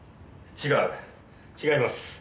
違います。